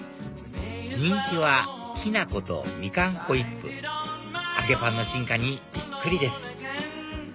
人気はきなことみかんホイップ揚げパンの進化にびっくりです